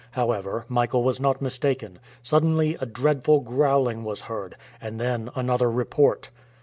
However, Michael was not mistaken. Suddenly a dreadful growling was heard, and then another report.